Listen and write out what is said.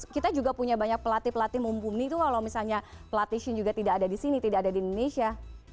kita juga punya banyak pelatih pelatih mumpuni itu kalau misalnya pelatih shin juga tidak ada di sini tidak ada di indonesia